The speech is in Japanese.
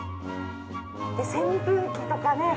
扇風機とかね